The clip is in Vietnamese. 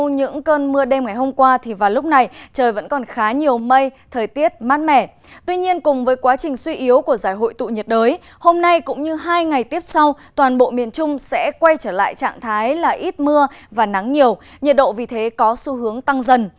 tuy nhiên cùng với quá trình suy yếu của giải hội tụ nhiệt đới hôm nay cũng như hai ngày tiếp sau toàn bộ miền trung sẽ quay trở lại trạng thái là ít mưa và nắng nhiều nhiệt độ vì thế có xu hướng tăng dần